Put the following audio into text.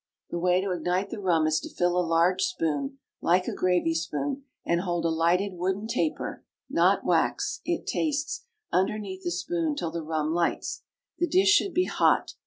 The way to ignite the rum is to fill a large spoon, like a gravy spoon, and hold a lighted wooden taper (not wax; it tastes) underneath the spoon till the rum lights. The dish should be hot.